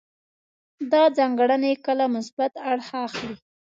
دا ځانګړنې کله مثبت اړخ اخلي.